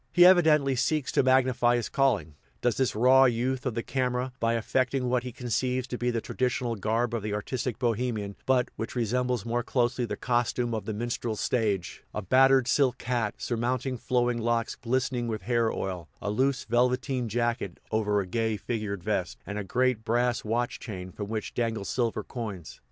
He evidently seeks to magnify his calling, does this raw youth of the camera, by affecting what he conceives to be the traditional garb of the artistic Bohemian, but which resembles more closely the costume of the minstrel stage a battered silk hat, surmounting flowing locks glistening with hair oil; a loose velveteen jacket, over a gay figured vest; and a great brass watch chain, from which dangle silver coins.